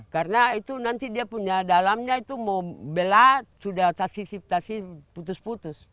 karena itu nanti dia punya dalamnya itu mau bela sudah tak sisi putus putus